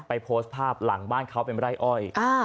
โพสต์ภาพหลังบ้านเขาเป็นไร่อ้อย